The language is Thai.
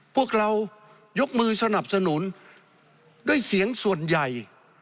พวกเรายกมือสนับสนุนด้วยเสียงส่วนใหญ่